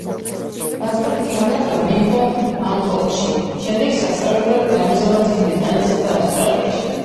დაწყებითი განათლება მიიღო ბანგკოკში, შემდეგ სასწავლებლად გაემგზავრა დიდ ბრიტანეთსა და ავსტრალიაში.